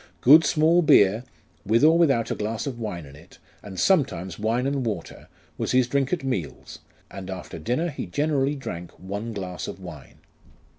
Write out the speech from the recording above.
Good small beer, with or without a glass of wine in it, and sometimes wine and water, was his drink at meals, and after dinner he generally drank one glass of wine.